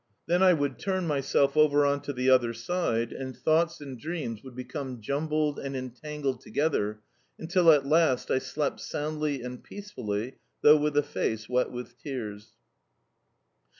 Then I would turn myself over on to the other side, and thoughts and dreams would become jumbled and entangled together until at last I slept soundly and peacefully, though with a face wet with tears.